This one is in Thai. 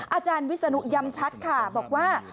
อาจารย์วิศนุย้ำชัดค่ะบอกว่า